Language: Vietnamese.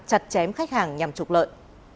chặt chém khách hàng nhằm trục lợi